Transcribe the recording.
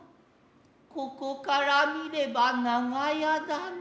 ここから視れば長屋だが。